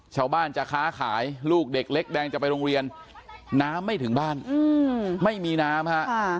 ชาวบ้านจะค้าขายลูกเด็กเล็กแดงจะไปโรงเรียนน้ำไม่ถึงบ้านไม่มีน้ำฮะ